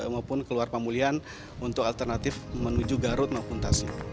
maupun keluar pamulian untuk alternatif menuju garut maupun tasik